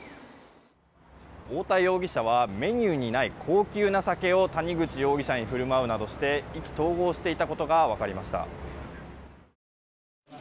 太田容疑者はメニューにない高級な酒を谷口容疑者に振る舞うなどして意気投合していたことが分かりました。